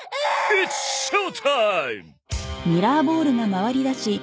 イッツショータイム！